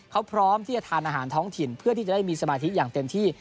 เขาพร้อมที่จะทานอาหารท้องถิ่นเพื่อที่จะได้มีสมาธิอย่างเต็มที่